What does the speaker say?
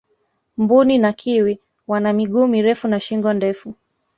mbuni na kiwi wana miguu mirefu na shingo ndefu